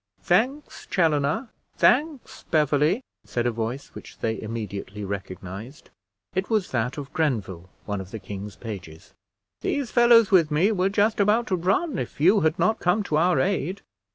"Thanks, Chaloner! thanks, Beverley!" said a voice which they immediately recognized. It was that of Grenville, one of the king's pages. "These fellows with me were just about to run, if you had not come to our aid.